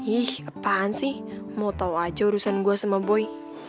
ih apaan sih mau tahu aja urusan gue sama boy